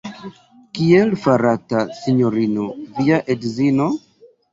Kiel fartas Sinjorino via edzino?